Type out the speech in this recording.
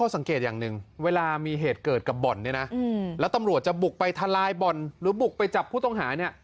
สั่งเกตอย่างนึงเวลามีเหตุเกิดกับบนและตำรวจจะบุกไปถลายบนหรือบุกไปจับผู้ต้องหา